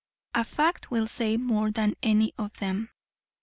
A fact will say more than any of them.